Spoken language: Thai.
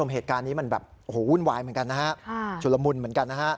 เหตุการณ์นี้มันแบบหุ้นไหวเจ๋งเฉลิมเหมือนกัน